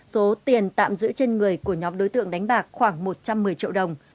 số tiền tạm giữ trên người của nhóm đối tượng đánh bạc khoảng một trăm một mươi triệu đồng